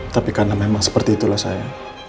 tapi karena memang seperti itulah saya